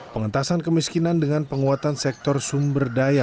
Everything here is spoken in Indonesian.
pengentasan kemiskinan dengan penguatan sektor sumber daya